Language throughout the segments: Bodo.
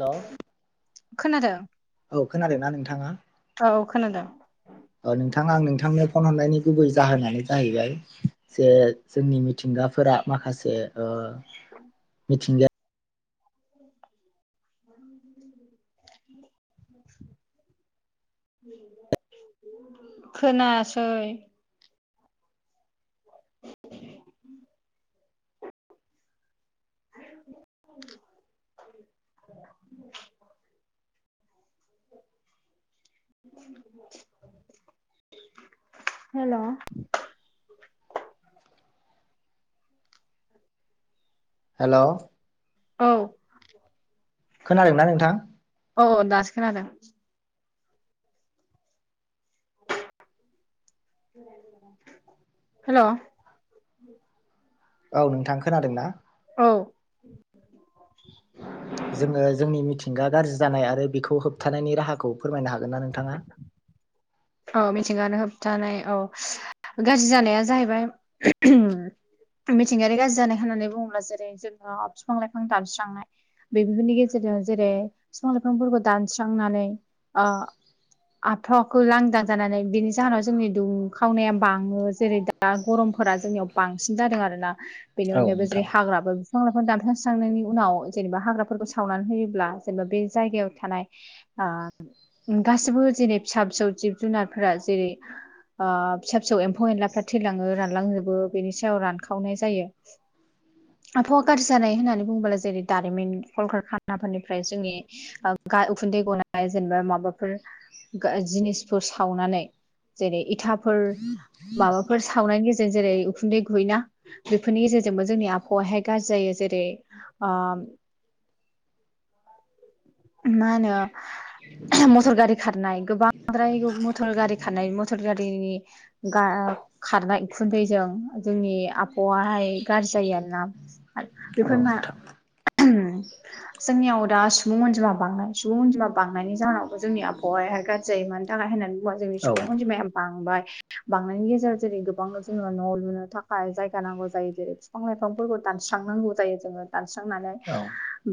हेल' खोनादों औ खोनादों ना नोंथाङा औ खोनादों ओ नोंथां आं नोंथांनो फन हरनायनि गुबै जाहोनानो जाहैबाय जे जोंनि मिथिंगाफोरा माखासे ओ मिथिंगायारि [inaudible] खोनायासै [unintelligible] हेल' हेल' औ खोनादों ना नोंथां औ दासो खोनादों हेल' औ नोंथां खोनादों ना औ जोङो जोंनि मिथिंगा गाज्रि जानाय आरो बेखौ होबथानायनि राहाखौ फोरमायनो हागोन ना नोंथाङा [inaudible] औ मिथिंगानो होबथानाय औ गाज्रि जानाया जाहैबाय उम मिथिंगायारि गाज्रि जानाय होननानै बुङोब्ला जेरै जोंहा बिफां लाइफां दानस्रांनाय बेफोरनि गेजेरजों जेरै बिफां लाइफांफोरखौ दानस्रांनानै आबहावाखौ लांदां जानानै बिनि जाहोनाव जोंनि दुखावनाया बाङो जेरै दा दा गरमफोरा जोंनियाव बांसिन जादों आरोना बेनि औ अनगायैबो नोंथां जेरै हाग्राबो फिफां-लायफां दानफांस्रांनायनि उनाव जेनेबा हाग्राफोरखौ सावनानै होयोब्ला जेनेबा बे जायगायाव थानाय आ ओम गासिबो जेरै फिसा-फिसौ जिब जुनारफोरा जेरै ओ फिसा फिसौ एम्फौ एनलाफ्रा थैलाङो रानलांजोबो बेनि सायाव रानखावनाय जायो। [unintelligible] आबहावा गाज्रि जानाय होननानै बुङोब्ला जेरै दारिमिन कलकार खानाफोरनिफ्राय जोंनि ओ गा उखुन्दै गनाय जेनेबा माबा ओ गा जिनिसफोर सावनानै जेरै इथाफोर माबाफोर सावनायनि गेजेरजों जेरै उखुन्दै गयोना बेफोरनि गेजेरजोंबो जोंनि आबहावाहाय गाज्रि जायो जेरै ओ मा होनो मटर गारि खारनाय गोबांद्राय मथर गारि खारनाय मथर गारि गा ओ खारनाय उखुन्दैजों जोंनि आबहावायाहाय गाज्रि जायो आरोना औ बेफोर मा नोंथां जोंनियाव दा सुबुं अनजिमा बांनाय सुबुं अनजिमा बांनायनि जाहाव जोंनि आबहावाया गाज्रि जायो मानो थाखाय होननानै बुंबा जोंनि औ सुबुं अनजिमाया बांबाय बांनायनि गेजेराव जेरै गोबां जोङो न' लुनो थाखाय जायगा नांगौ जायो जेरै बिफां लाइफांफोरखौ दानस्रांनांगौ जायो जोङो दानस्रांनानै औ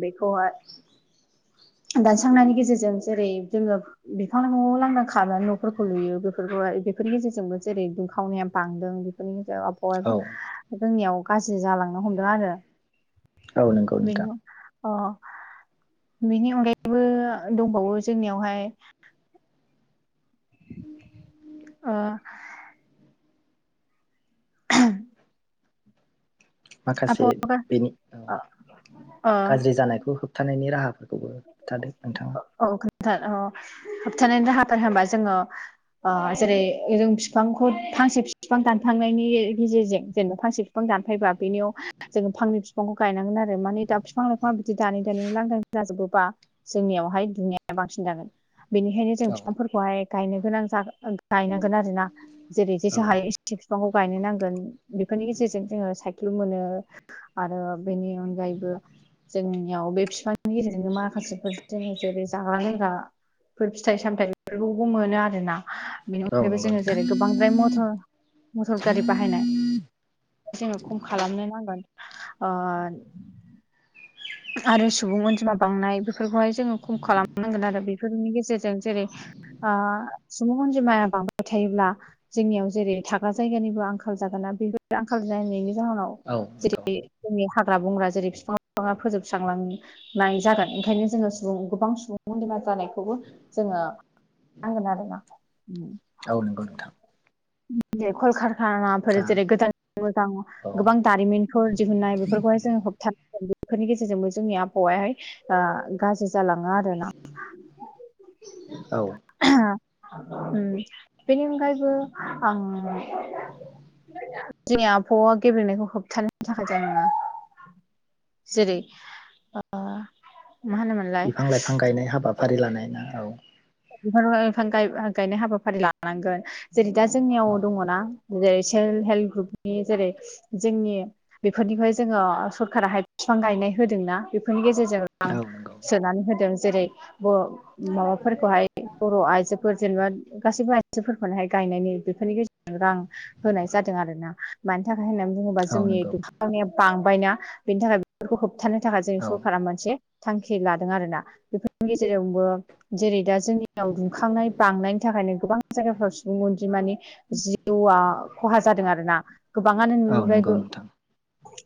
बेखौहाय दानस्रांनायनि गेजेरजों जेरै जोङो बिफांआव लांदां खनानै न'फोरखौ लुयो बेफोरखौ बेफोरनि गेजेरजोंबो जेरै दुं खावनाया बांदों [unintelligible] औ बायबो जोंनियाव गाज्रि जालांनो हमदों आरो औ नंगौ नोंथां बेनो ओ बेनि अनगायैबो दंबावो जोंनियावहाय ओ [unintelligible] माखासे आबहावा बेनि औ ओ गाज्रि जानायखौ हो होबथानायनि राहाफोरखौबो खिथादो नोंथाङा औ अ होबथानायनि राहाफोर होनबा जोङो ओ जेरै जों बिफांखौ फांसे बिफां दानफांनायनि गेजेरजों जेनेबा फांसे बिफां दानफैबा बेनियाव जोङो फांनै बिफांखौ गायनांगोन आरो माने दा बिफां लाइफां बिदि दानै दानै लांदां जाजोबो जोंनियावहाय दुंनाया बांसिन जागोन बेनिखायनो जों औ बिफां हाय गायनो गोनां गायनांगोन आरोना जेरै जेसे औ हायो एसे बिफांखौ गायनो नांगोन बेफोरनि गेजेरजों जोङो साइक्लुम मोनो आरो बेनि अनगायैबो जोंनियाव बे बिफांनि गेजेरजों मा माखासेफोर जोङो जेरै जाग्रा लोंग्राफोर फिथाइ सामथायाइफोरखौबो मोनो आरोना बेनि औ अनगायैबो नंगौ जोङो नोंथां जेरै गोबांद्राय मथर गारि बाहायनाय जोङो खम खालामनो नांगोन ओ आरो सुबुं अनजिमा बांनाय बेफोरखौहाय जोङो खम खालामनांगोन आरो बेफोरनि गेजेरजों जेरै आ सुबुं अनजिमाया बांबाय थायोब्ला जोंनियाव जेरै थाग्रा जायगानिबो आंखाल जागोनना बेबायदि आंखाल जानायनि जाहोनाव औ नंगौ जेरै जोंनि हाग्रा बंग्रा जेरै बिफां लाइफाङा फोजोबस्रांलां नाय जागोन ओंखायनो जोङो सुबुं गोबां सुबुंखौ बेमार जानायखौबो जोङो आङोना नोंथां औ नोंगौ नोंथां दे खल खार नाफोर दा जेरै गोदान मोजां औ गोबां दारिमिनफोर दिहुननाय बेफोरखौहाय जों होबथानो बेफोरनि गेजेरजोंबो जोंनि आबहावायाहाय ओ गाज्रि जालाङो आरो औ ओम बेनि अनगायैबो आं जोंनि आबहावा गेब्रेंनायखौ होबथानायनो थाखाय जेनेबा जेरै ओ मा होनोमोन बिफां लाइफां गायनाय हाबाफारि लानाय ना औ बिफां बिफां गायनाय हाबाफारि लानांगोन जेरै दा जोंनियाव औ दङना जेरै सेल्फ हेल्प ग्रुपनि जेरै जोंनि बेफोरनिफ्राय जोङो सरकाराहाय बिफां गायनाय होदोंना बेफोरनि गेजेरजों आं औ नंगौ सोनानै होदों जेरै माबाफोरखौहाय बर' आइजोफोर जेनेबा गासैबो आइजोफोरखौहाय गायनायनि बेफोरनि गेजेरजों रां होनाय जादों आरोना मानि थाखाय होननानै बुङोब्ला औ जोंनि नंगौ दुखांनाया बांबायना बेनि थाखाय बेफोरखौ होबथानो थाखाय जोंनि औ सरकारा मोनसे थांखि लादों आरोना बेफोरनि गेजेरावबो जेरै दा जोंनि दुंखांनाय बांनायनि थाखायनो गोबां जायगाफ्राव सुबुं अनजिमानि जिउआ खहा जादों आरो ना गोबाङानो नुनो औ मोनबाय नंगौ नोंथां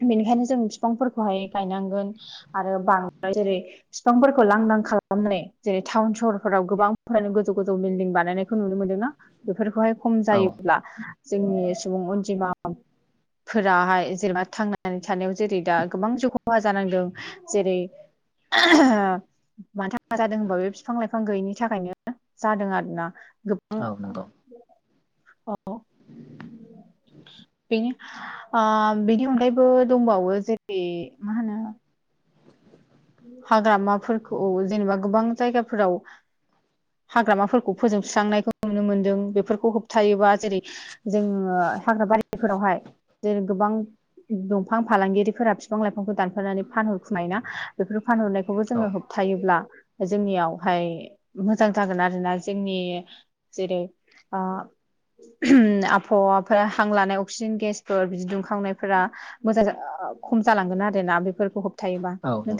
बेनिखायनो जों बिफांफोरखौहाय गायनांगोन आरो बांद्राय जेरै बिफांफोरखौ लांदां खालामनानै जेरै टाउन सहरफोराव गोबां गोजौ गोजौ बिल्डिं बानायनायखौ नुनो मोनदोंना बेफोरखौहाय खम औ जायोब्ला जोंनि सुबुं अनजिमा बां फोराहाय जेनेबा थांनानै थानायाव जेरै दा गोबां जिउ खहा जानांदों जेरै मथ [unintelligible] जादों होनबा बे बिफां लाइफां गैयिनि थाखायनो जादों आरोना औ नंगौ अ बिनि ओ बिनि अनगायैबो दंबावो जेरै मा होनो हाग्रामाफोरखौ जेनेबा गोबां जायगाफोराव हाग्रामाफोरखौ फोजोंबस्रांनायखौ नुनो मोन्दों बेफोरखौ होबथायोबा जेरै जोङो हाग्रा बारिफोरावहाय जेरै गोबां दंफां फालांगिरिफोरा बिफां लाइफांखौ दानफनानै फानहरखुमायोना बेफोर फानहरनायखौबो औ जोङो होब थायोब्ला जोंनियावहाय मोजां जागोन आरोना जोंनि जेरै आ आबहावाफोरा हां लानाय अक्सिजेन गेसफोर बिदि दुंखांनायफोरा मोजां खम जालांगोन आरोना बेफोरखौ होबथायोबा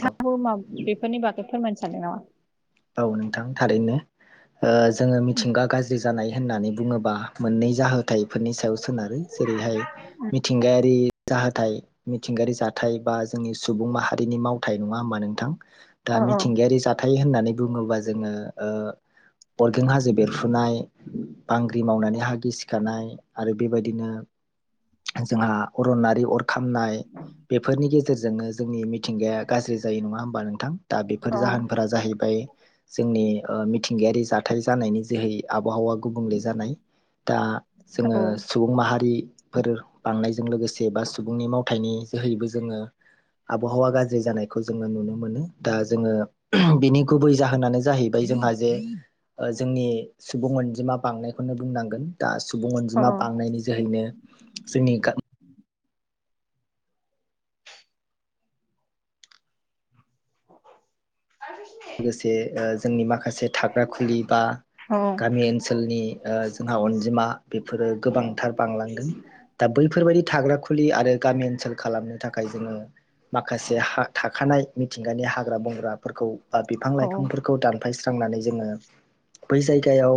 औ मा बेफोरनि बागै फोरमायनो सानदों नामा औ नोंथां थारैनो जोङो मिथिंगा गाज्रि जानाय होननानै बुङोबा मोननै जाहोन थायो बेफोरनि सायाव सोनारो जेरैहाय मिथिंगायारि जाहोथाय मिथिंगायारि जाथाय बा जोंनि सुबुं माहारिनि मावथाय नङा होमबा नोंथां दा अ अ मिथिंगायारि जाथाय थाय होननानै बुङोब्ला जोङो अरगें हाजो बेरफुनाय बांग्रि मावनानै हा गिसि खानाय आरो बेबायदिनो जोंहा अरनारि अर खामनाय बेफोरनि गेजेरजोंनो जोंनि मिथिंगाया गाज्रि जायो नङा होमबा नोंथां दा अ बेफोर जाहोनफोरा जाहैबाय जोंनि मिथिंगायारि जाथाय जानायनि जोहै आबहावा गुबुंले जानाय दा जोङो सुबुं माहारि फोर बांनायजों लोगोसे बा सुबुंनि मावथायनि जोहैबो जोङो आबहावा गाज्रि जानायखौ जोङो नुनो मोनो दा जोङो बिनि गुबै जाहोनानो जाहैबाय जोंहा जे जोंनि सुबुं अनजिमा बांनायखौनो बुंनांगोन दा सुबुं अ अनजिमा बांनायनि जोहैनो जोंनि गा [unintelligible] लोगोसे जोंनि माखासे थाग्रा खुलि बा गामि ओनसोलनि जोंहा अनजिमा बेफोरो गोबांथार बांलांदों दा बैफोरबायदि थाग्रा खुलि आरो गामि ओनसोल खालामनो थाखाय जोङो माखासे थाखानाय मिथिंगानि हाग्रा बंग्राफोरखौ बा बिफां लाइफांफोर खौ दानफायस्रांनानै जोङो बै जायगायाव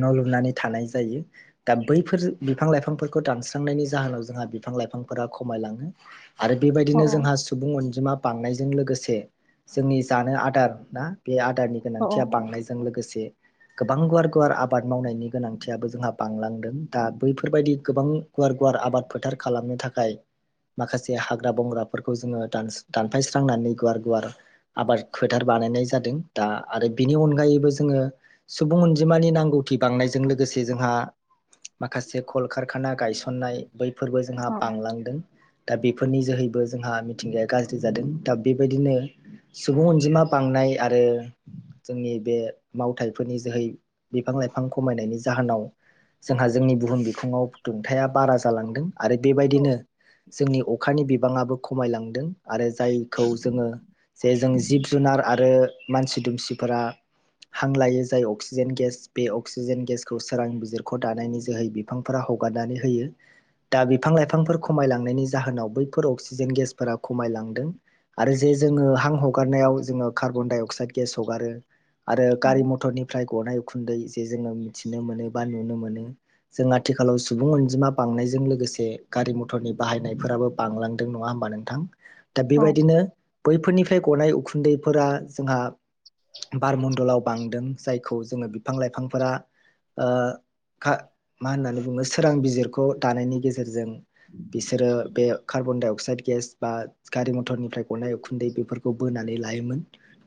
न' लुनानै थानाय जायो दा बैफोर बिफां लाइफांफोरखौ दानस्रांनायनि जाहोनाव जोंहा बिफां लाइफांफोरा खमायलाङो आरो बेबायदिनो जोंहा सुबुं अनजिमा बांनायजों लोगोसे जोंनि जानो आदार ना बे आदारनि गोनांथिया बांनायजों लोगोसे गोबां गुवार गुवार आबाद मावनायनि गोनांथियाबो जोंहा बांलांदों दा बैफोरबायदि गोबां गुवार गुवार आबाद फोथार खालामनो थाखाय माखासे हाग्रा बंग्राफोरखौ जोङो दान दानफायस्रांनानै गुवार गुवार आबाद फोथार बानायनाय जादों दा आरो बिनि अनगायैबो जोङो सुबुं अनजिमानि नांगौ [unintelligible] बांनायजों लोगोसे जोंहा माखासे कलकारखाना गायसननाय बैफोरबो जोंहा बांलांदों दा बेफोरनि जोहैबो जोंहा मिथिंगाया गाज्रि जादों दा बेबायदिनो सुबुं अनजिमा बांनाय आरो जोंनि बे मावथाइफोरनि जोहै बिफां लाइफां खमायनायनि जाहोनाव जोंहा जोंनि बुहुम बिखङाव दुंथाया बारा जालांदों आरो बेबायदिनो जोंनि अखानि बिबाङाबो खमायलांदों आरो जायखौ जोङो जे जों जिब जुनार आरो मानसि दुमसिफोरा हां लायो जाय अक्सिजेन गेस बे अक्सिजेन गेसखौ सोरां बिजिरखौ दानायनि जोहै बिफांफोरा हगारनानै होयो दा बिफां लाइफांफोर खमायलांनायनि जाहोनाव बैफोर अक्सिजेन गेसफोरा खमायलांदों आरो जे जोङो हां हगारनायाव जोङो कार्बन डाइ अक्साइड गेस हगारो आरो गारि मथरनिफ्राय गनाय उखुन्दै जे जोङो मिथिनो मोनो बा नुनो मोनो जों आथिखालाव सुबुं अनजिमा बांनायजों लोगोसे गारि मथरनि बाहायनायफोराबो बांलांदों नङा होमबा नोंथां दा बेबायदिनो बैफोरनिफ्राय गनाय उखुन्दैफोरा जोंहा बार मणडलाव बांदों जायखौ जोङो बिफां लाइफांफोरा मा होननानै बुङो सोरां बिजिरखौ दानायनि गेजेरजों बिसोरो बे कार्बन डाइ अक्साइड गेस बा गारि मथरनिफ्राय गरनाय उखुन्दै बेफोरखौ खौ बोनानै लायोमोन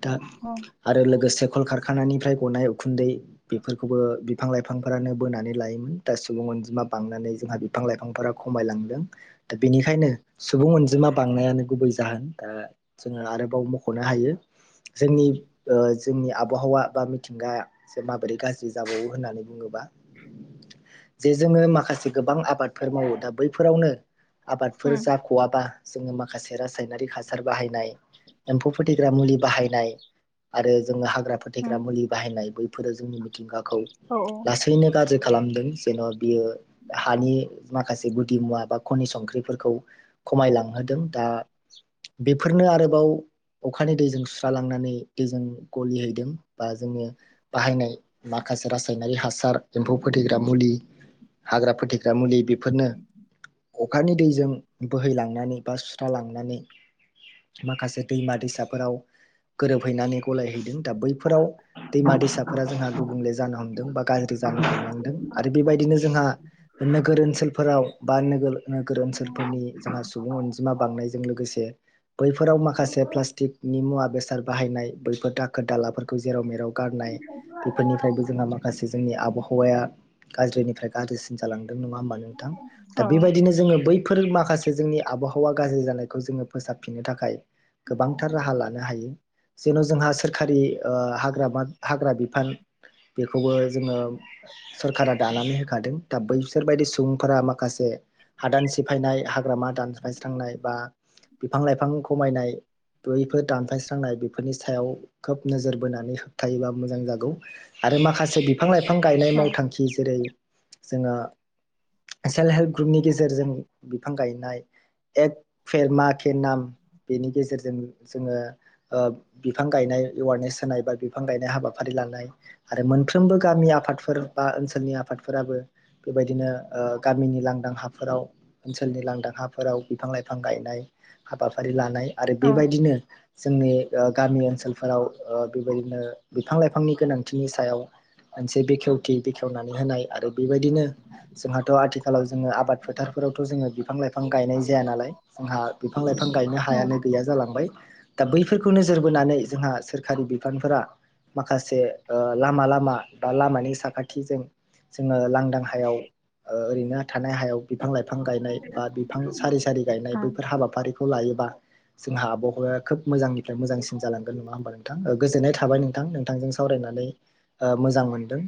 दा औ आरो लोगोसे कल खारखानानिफ्राय गनाय उखुन्दै बेफोरखौबो बिफां लाइफांफोरानो बोनानै लायोमोन दा सुबुं अनजिमा बांनानै जोंहा बिफां लाइफांफोरा खमायलांदों दा बेनिखायनो सुबुं अनजिमा बांनायानो गुबै जाहोन दा जोङो आरो बाव मख'नो हायो जोंनि जोंनि आबहावा बा मिथिंगा जे माबोरै गाज्रि जाबावो होननानै बुङोबा जे जोङो माखासे गोबां आबादफोर मावो दा बैफोरावनो आबादफोर जा खवाबा जोङो माखासे रासायनारि हासार बाहायनाय [inaudible] एम्फौ फोथैग्रा मुलि बाहायनाय आरो जोङो हाग्रा फोथैग्रा मुलि बाहायनाय बै फोर जोंनि मिथिंगाखौ लासैनो गाज्रि खालामदों जेन' बियो हानि माखासे गुदि मुवा बा खनि संख्रिफोरखौ खमायलांहोदों दा बेफोरनो आरोबाव अखानि दैजों सुस्रालांनानै दैजों गलिहैदों बा जोङो बाहायनाय माखासे रासायनारि हासार एम्फौ फोथैग्रा मुलि हाग्रा फोथग्रा मुलि बेफोरनो अखानि दैजों बोहैलांनानै बा सुस्रा लांनानै माखासे दैमा दैसाफोराव गोरोबहैनानै गलायहैदों दा बैफोराव दैमा दैसाफोरा जोंहा गुबुंले जानो हमदों बा गाज्रि जानो हमलांदों आरो बेबायदिनो जोंहा नोगोर ओनसोलफोराव बा नोगोर नोगोर ओनसोलफोरनि जोंहा सुबुं अनजिमा बांनायजों लोगोसे बैफोराव माखासे प्लास्टिकनि मुवा बेसाद बाहायनाय बैफोर दाखोर दालाफोरखौ खौ जेराव मेराव गारनाय बेफोरनिफ्रायबो जोंहा माखासे जोंनि आबहावाया गाज्रिनिफ्राय गाज्रिसिन जालांदों नङा होमबा नोंथां दा बेबायदिनो जोङो बै बेफोर माखासे जोंनि आबहावा गाज्रि जानायखौ जोङो फोसाबफिननो थाखाय गोबांथार राहा लानो जेन' जोंहा सोरखारि हाग्रा हाग्रा बिफान बेखौबो जोङो सरखारा दानानै होखादों बैसोरबायदि सुबुंफोरा माखासे हादान सिफायनाय हाग्रामा दानस्लायस्रांनाय बा बिफां लाइफां खमायनाय बैफोर दानफायस्रांनाय बेफोरनि सायाव खोब नोजोर बोनानै होबथायोबा मोजां जागौ आरो माखासे बिफां लाइफां गायनाय मावथांखि जेरै जोङो सेल्फ हेल्प ग्रुपनि गेजेरजों बिफां गायनाय एक फेरम के नाम बेनि गेजेरजों जों जोङो बिफां गायनाय एवारनेस होनाय बा बिफां गायनाय हाबाफारि लानाय आरो मोनफ्रोमबो गामि आफादफोर बा ओनसोलनि आफादफोराबो बेबायदिनो गामिनि लांदां हाफोराव ओनसोलनि लांदां हाफोराव बिफां लाइफां गायनाय हाबाफारि लानाय आरो बेबायदिनो जोंनि गामि ओनसोलफोराव बेबायदिनो बिफां लाइफांनि गोनांथिनि सायाव मोनसे बेखेवथि बेखेवनानै होनाय आरो बेबायदिनो जोंहाथ' आथिखालाव जोङो आबाद फोथारफोरावथ' जोङो बिफां लाइफां गायनाय जाया नालाय जोंहा बिफां लाइफां गायनो हायानो गैया जालांबाय दा बैफोरखौ नोजोर बोनानै जोंहा सोरखारि बिफानफोरा माखासे लामा लामा बा लामानि साखाथिजों जोङो लां दां हायाव ओरैनो थानाय हायाव बिफां लाइफां गायनाय बा बिफां सारि सारि गायनाय बैफोर हाबाफारिखौ लायोबा जोंहा आबहावाया खोब मोजांनिफ्राय मोजांसिन जालांगोन नङा होमबा नोंथां गोजोन्नाय थाबाय नोंथां नोंथांजों सावरायनानै मोजां मोनदों